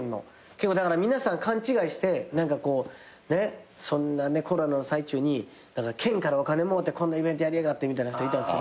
結構皆さん勘違いしてそんなコロナの最中に県からお金もろうてこんなイベントやりやがってみたいな人いたんですけど。